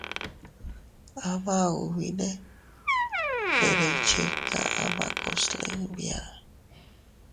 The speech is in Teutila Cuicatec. Ama ubine ndere iychika ama kuslin biaa.